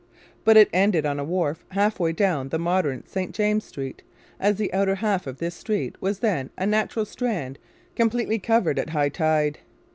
But it ended on a wharf half way down the modern St James Street, as the outer half of this street was then a natural strand completely covered at high tide.